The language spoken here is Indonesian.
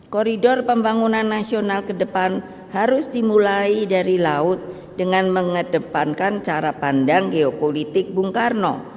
koridor pembangunan nasional ke depan harus dimulai dari laut dengan mengedepankan cara pandang geopolitik bung karno